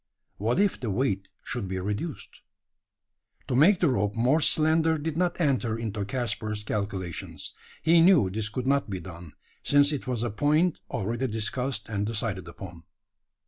What if the weight should be reduced? To make the rope more slender did not enter into Caspar's calculations. He knew this could not be done: since it was a point already discussed and decided upon.